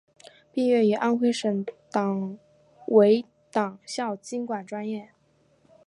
毕业于安徽省委党校经管专业。